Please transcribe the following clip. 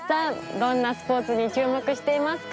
どんなスポーツに注目していますか？